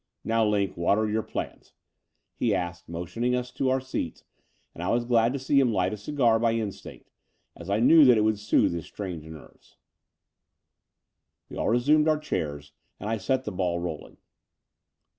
Now, Line, what are your plans?" he asked, motioning us to our seats: and I was glad to see him light a cigar by instinct, as I knew that it would soothe his strained nerves. We all resumed our chairs: and I set the ball rolling.